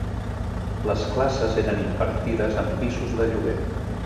Les classes eren impartides en pisos de lloguer.